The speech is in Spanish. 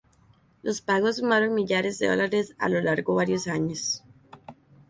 Los pagos sumaron millares de dólares a lo largo varios años.